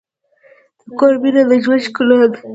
د کور مینه د ژوند ښکلا ده.